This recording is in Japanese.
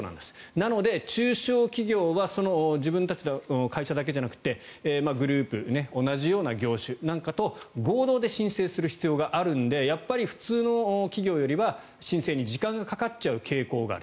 なので、中小企業はその自分たちの会社だけじゃなくてグループ同じような業種なんかと合同で申請する必要があるのでやっぱり普通の企業よりは申請に時間がかかっちゃう傾向がある。